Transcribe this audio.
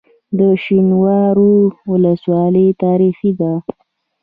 د شینوارو ولسوالۍ تاریخي ده